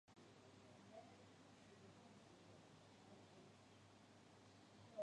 开埠以前有制造石灰与瓷器。